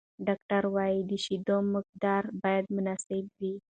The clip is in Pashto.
ډاکټران وايي، د شیدو مقدار باید مناسب وي.